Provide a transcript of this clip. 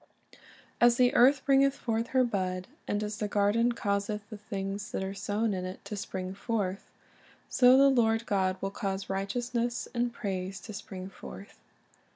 "As the earth bringeth forth her bud, and as the garden causeth the things that are sown in it to spring forth, so the Lord God will cause righteousness and praise to spring forth."